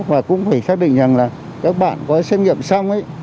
và cũng phải xác định rằng là các bạn có xét nghiệm xong ấy